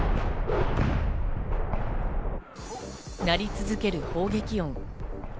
鳴り続ける砲撃音。